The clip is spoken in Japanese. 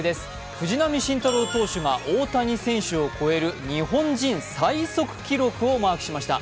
藤浪晋太郎投手が大谷選手を超える日本人最速記録をマークしました。